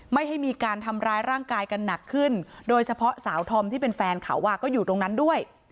ไม่ให้มีการทำร้ายร่างกายกันหนักขึ้นโดยเฉพาะสาวธอมที่เป็นแฟนเขาก็อยู่ตรงนั้นด้วย